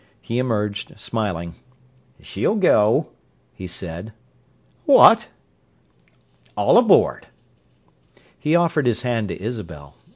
He emerged, smiling. "She'll go," he said. "What!" "All aboard!" He offered his hand to Isabel.